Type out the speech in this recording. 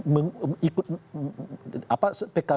mengikut apa pkb setuju dengan pembuatan